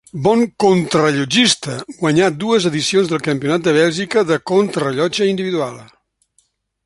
Bon contrarellotgista, guanyà dues edicions del Campionat de Bèlgica de contrarellotge individual.